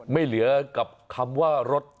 ไม่เหลือกับคำว่ารถ